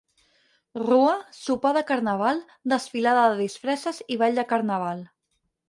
Rua, sopar de Carnaval, desfilada de disfresses i ball de Carnaval.